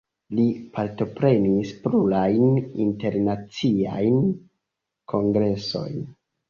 Li partoprenis plurajn internaciajn kongresojn.